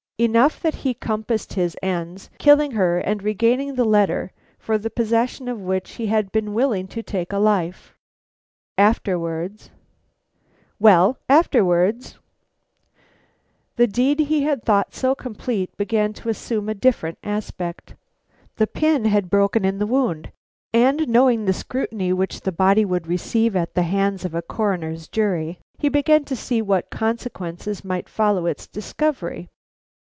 Enough that he compassed his ends, killing her and regaining the letter for the possession of which he had been willing to take a life. Afterwards " "Well, afterwards?" "The deed he had thought so complete began to assume a different aspect. The pin had broken in the wound, and, knowing the scrutiny which the body would receive at the hands of a Coroner's jury, he began to see what consequences might follow its discovery.